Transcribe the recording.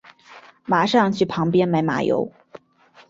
马上去旁边买马油